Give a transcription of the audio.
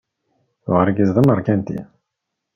Tuɣ argaz d ameṛkanti.